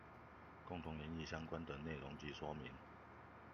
共同研議相關的內容及說明